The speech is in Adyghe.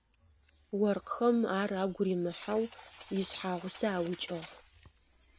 Оркъхэм ар агу римыхьэу ишъхьагъусэ аукӏыгъ.